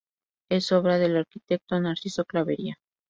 Es obra del arquitecto Narciso Clavería.